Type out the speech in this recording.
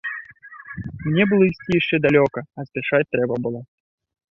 Мне было ісці яшчэ далёка, а спяшаць трэба было.